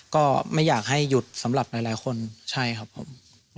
ก็ไม่อยากให้หยุดสำหรับหลายคนใช่ครับผม